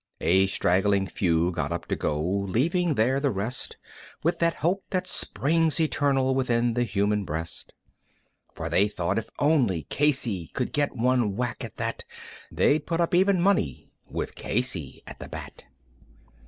A straggling few got up to go, leaving there the rest With that hope that springs eternal within the human breast; For they thought if only Casey could get one whack, at that They'd put up even money, with Casey at the bat.